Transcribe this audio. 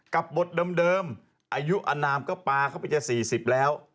กับบทเดิมอายุอนามก็ปลาเข้าไปจะ๔๐แล้ว